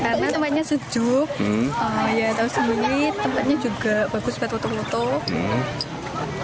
karena tempatnya sejuk ya terus sembunyi tempatnya juga bagus buat tutup tutup